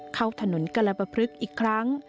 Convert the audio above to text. เข้าถนนกละปะพฤกษ์อีกครั้ง